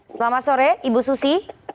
selamat sore ibu susi